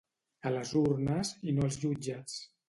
A les urnes, i no als jutjats.